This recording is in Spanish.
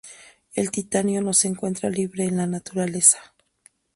El titanio no se encuentra libre en la Naturaleza.